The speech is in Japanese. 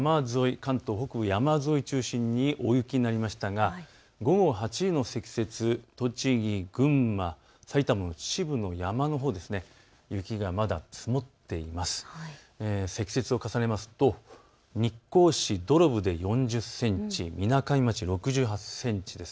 関東北部山沿いを中心に大雪になりましたが午後８時の積雪、栃木、群馬、埼玉の秩父の山のほう、雪がまだ積もっています。